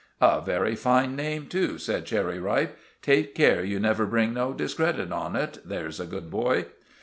"A very fine name too," said Cherry Ripe. "Take care you never bring no discredit on it, there's a good boy."